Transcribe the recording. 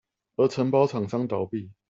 而承包廠商倒閉